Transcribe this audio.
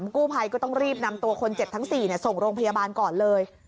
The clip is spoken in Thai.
กู้ภัยก็ต้องรีบนำตัวคนเจ็บทั้ง๔ส่งโรงพยาบาลก่อนเลย